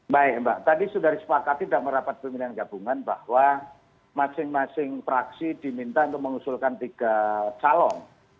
baik mbak tadi sudah disepakati dalam rapat pimpinan gabungan bahwa masing masing fraksi diminta untuk mengusulkan tiga calon